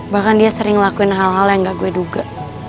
bahkan dia sering lakuin hal hal yang gak gue duga